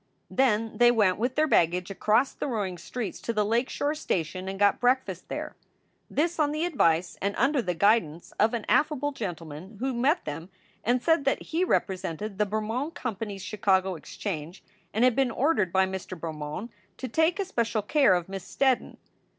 Then they went, with their baggage, across the roaring streets to the Lake Shore station and got breakfast there this on the advice and under the guidance of an affable gentleman who met them and said that he represented the Bermond Com pany s Chicago Exchange and had been ordered by Mr. Bermond to take especial care of Miss Steddon.